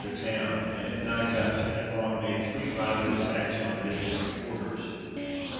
the town, and at night about ten o'clock, made three violent attacks on it in different quarters.